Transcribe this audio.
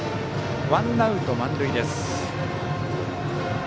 ワンアウト満塁です。